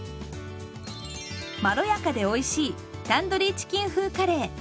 まろやかでおいしい「タンドリーチキン風カレー」。